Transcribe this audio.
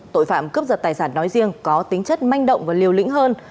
tội phạm cướp giật tài sản nói riêng có tính chất manh động và liều lĩnh hơn